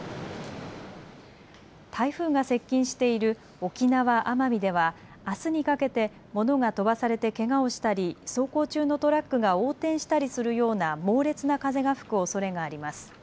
台風が接近している沖縄・奄美ではあすにかけて物が飛ばされてけがをしたり走行中のトラックが横転したりするような猛烈な風が吹くおそれがあります。